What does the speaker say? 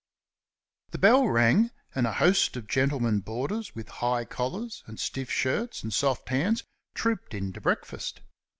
The bell rang, and a host of gentlemen boarders with high collars and stiff shirts and soft hands trooped in to breakfast.